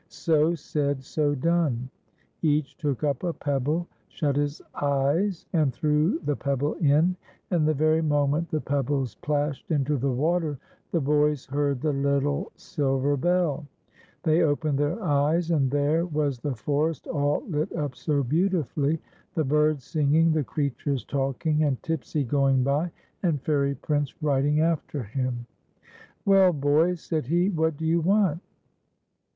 So said, so done ; rach took up a pebble, shut his eyes, and threw the TirS }■ V9 SIL VEK BELL. 1 33 pebble in, and tlie vcr\ iiionicnt tlie pebbles plashed into the water tiie bo\s heard tiie little silver bell. Thc\ opened their eyes, and there was the forest, all lit up so beautifuU}', the birds sin<jiny^, the creatures talking, and Tipsy going by, and Fairy Prince riding after him. " Well, boys," said he, " what do you want